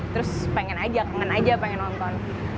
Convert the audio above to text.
terus pengen aja kangen aja pengen nonton